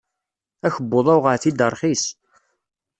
Akebbuḍ-a uɣeɣ-t-id rxis.